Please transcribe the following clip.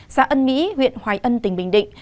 xã ân mỹ huyện hoài ân tỉnh bình định